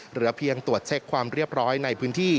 เหลือเพียงตรวจเช็คความเรียบร้อยในพื้นที่